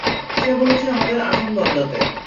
সে বলেছে আমাদের আসন বদলাতে।